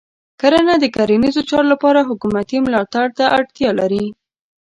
کرنه د کرنیزو چارو لپاره حکومتې ملاتړ ته اړتیا لري.